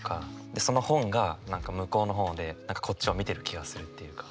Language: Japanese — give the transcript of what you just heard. でその本が向こうの方でこっちを見てる気がするっていうか。